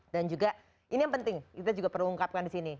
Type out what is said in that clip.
dan juga ini yang penting kita juga perlu ungkapkan di sini